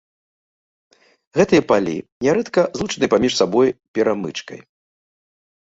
Гэтыя палі нярэдка злучаныя паміж сабой перамычкай.